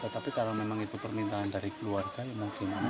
tapi kalau memang itu permintaan dari keluarga ya mungkin